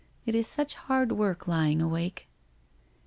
It is such hard work lying awake.'